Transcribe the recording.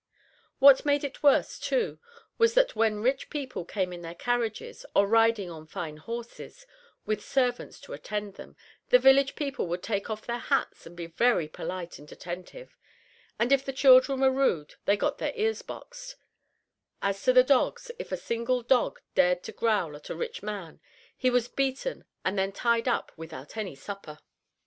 What made it worse, too, was that when rich people came in their carriages, or riding on fine horses, with servants to attend to them, the village people would take off their hats and be very polite and attentive: and if the children were rude they got their ears boxed; as to the dogs if a single dog dared to growl at a rich man he was beaten and then tied up without any supper.